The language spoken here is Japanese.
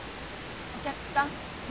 お客さん？